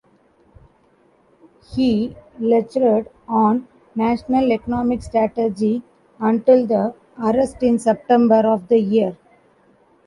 He lectured on "national economic strategy" until the arrest in September of the year.